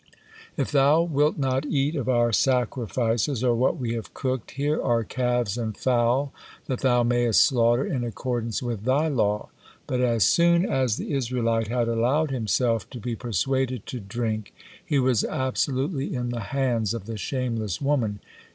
If thou wilt not eat of our sacrifices or what we have cooked, here are calves and fowl that thou mayest slaughter in accordance with thy law." But as soon as the Israelite had allowed himself to be persuaded to drink, he was absolutely in the hands of the shameless woman.